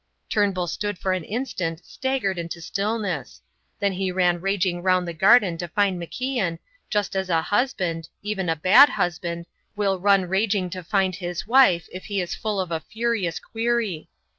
Turnbull stood for an instant staggered into stillness. Then he ran raging round the garden to find MacIan, just as a husband, even a bad husband, will run raging to find his wife if he is full of a furious query.